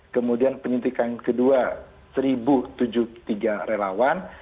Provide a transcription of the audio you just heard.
kemudian penyuntikan kedua satu tujuh puluh tiga relawan